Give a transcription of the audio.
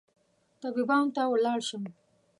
طبيبانو ته ولاړ شم